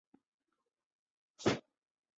尚未发生大于十年一遇的洪水。